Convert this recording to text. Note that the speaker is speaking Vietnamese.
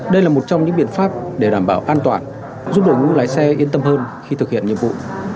đây là một trong những biện pháp để đảm bảo an toàn giúp đội ngũ lái xe yên tâm hơn khi thực hiện nhiệm vụ